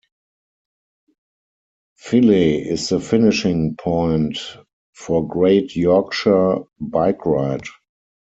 Filey is the finishing point for Great Yorkshire Bike Ride.